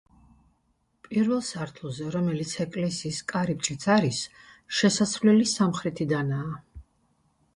პირველ სართულზე, რომელიც ეკლესიის კარიბჭეც არის, შესასვლელი სამხრეთიდანაა.